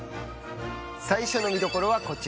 最初の見どころはこちら。